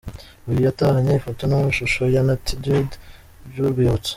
Uyu yatahanye ifoto n'amashusho ya Natty Dread by'urwibutso.